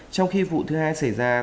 trong khi vụ thứ hai xảy ra